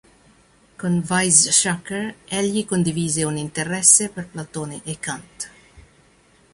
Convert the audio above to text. Con Weizsäcker egli condivise un interesse per Platone e Kant.